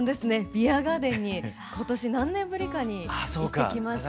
ビアガーデンに今年何年ぶりかに行ってきまして。